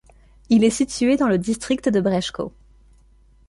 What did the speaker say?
Il est situé dans le district de Brčko.